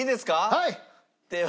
はい！